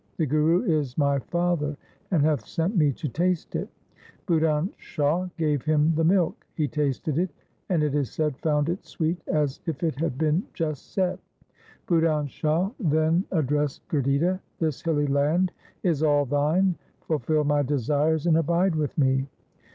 The Guru is my father, and hath sent me to taste it.' Budhan Shah gave him the milk. He tasted it and, it is said, found it sweet as if it had been just set. Budhan Shah then addressed Gurditta, ' This hilly land is all thine ; fulfil my desires, and abide with me.'